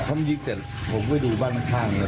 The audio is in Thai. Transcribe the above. พร้อมยิกเสร็จผมก็ไปดูบ้านข้างเนี้ย